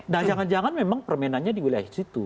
nah jangan jangan memang permainannya diwilayah situ